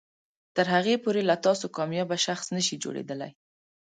تر هغې پورې له تاسو کاميابه شخص نشي جوړیدلی